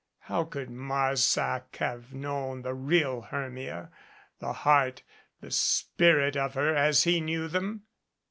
How could Marsac have known the real Hermia the heart, the spirit of her as he knew them!